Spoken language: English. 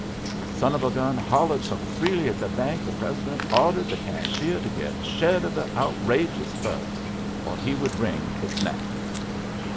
The son of a gun hollad so freely at the bank, the president awde'd the cashier to get shed of the out ragious bird, or he would wring its neck.